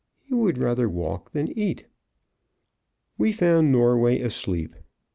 He would rather walk than eat. We found Norway asleep.